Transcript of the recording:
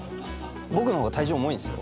僕の方が体重重いんですよ。